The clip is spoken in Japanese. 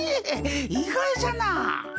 意外じゃなあ。